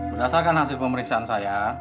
berdasarkan hasil pemeriksaan saya